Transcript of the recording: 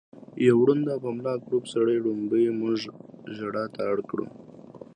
يو ړوند او په ملا کړوپ سړي ړومبی مونږ ژړا ته اړ کړو